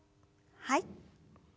はい。